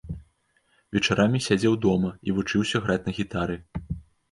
Вечарамі сядзеў дома і вучыўся граць на гітары.